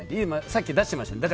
さっき出してましたもんね。